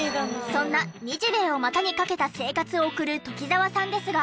そんな日米を股にかけた生活を送る鴇澤さんですが。